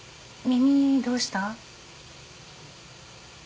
耳どうした？